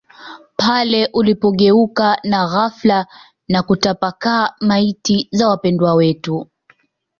pale ulipogeuka na ghafla na kutapakaa Maiti za wapendwa wetu